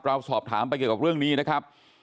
เราสอบถามไปเกี่ยวกับเรื่องนี้นะครับ